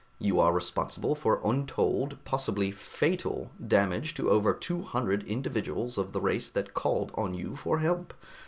You are responsible for untold possibly fatal damage to over two hundred individuals of the race that called on you for help.